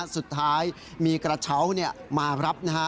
สุดท้ายมีกระเช้ามารับนะฮะ